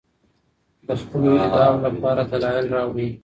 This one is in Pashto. د خپلو ادعاوو لپاره دلایل راوړئ.